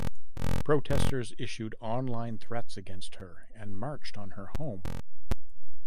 Protesters issued online threats against her and marched on her home.